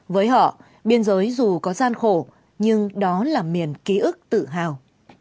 với họ biên giới dù có gian khổ nhưng đó là miền ký ức tự hào